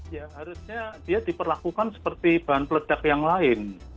ya harusnya dia diperlakukan seperti bahan peledak yang lain